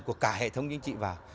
của cả hệ thống chính trị vào